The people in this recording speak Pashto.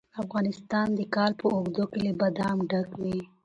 افغانستان د کال په اوږدو کې له بادام ډک وي.